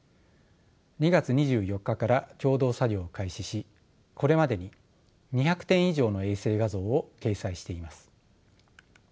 ２月２４日から共同作業を開始しこれまでに２００点以上の衛星画像を掲載しています。